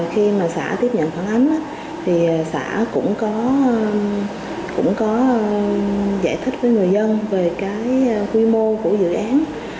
khi mà xã tiếp nhận phản ánh thì xã cũng có giải thích với người dân về cái quy mô của dự án